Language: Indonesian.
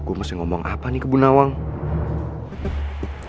gue mesti ngomong apa nih ke bunak bunak